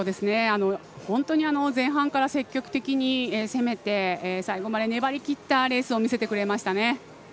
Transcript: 本当に前半から積極的に攻めて、最後まで粘りきったレースを見せてくれました。